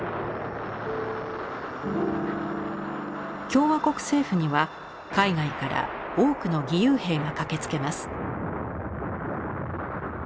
共和国政府には海外から多くの義勇兵が駆けつけます。